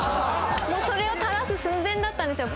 それを垂らす寸前だったんですよ。